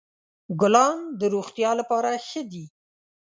ګلان د روغتیا لپاره ښه دي.